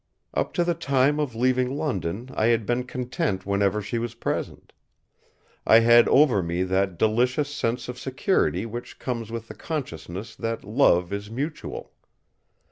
Up to the time of leaving London I had been content whenever she was present. I had over me that delicious sense of security which comes with the consciousness that love is mutual.